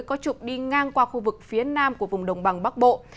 có trụng đi ngang qua khu vực phía nam của vùng đồng bằng bắc bộ